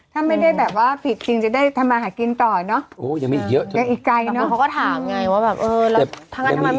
ถ้าไม่ได้แบบว่าผิดจริงจะได้ทำมาหากินต่อเนอะ